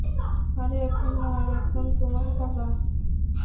আরে এখন না, এখন তোমার পালা!